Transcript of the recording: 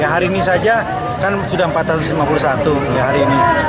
hari ini saja kan sudah empat ratus lima puluh satu hari ini